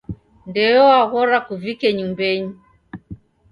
Ndeo waghora kuvike nyumbenyi.